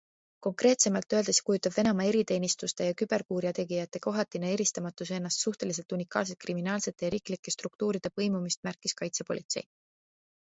Konkreetsemalt öeldes kujutab Venemaa eriteenistuste ja küberkurjategijate kohatine eristamatus endast suhteliselt unikaalset kriminaalsete ja riiklike struktuuride põimumist, märkis kaitsepolitsei.